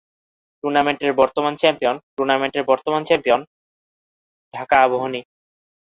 টুর্নামেন্টের বর্তমান চ্যাম্পিয়ন টুর্নামেন্টের বর্তমান চ্যাম্পিয়ন ঢাকা আবাহনী।